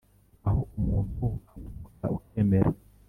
aho umuntu agutuka ukemera